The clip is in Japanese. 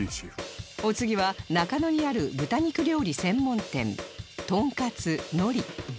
お次は中野にある豚肉料理専門店とんかつのり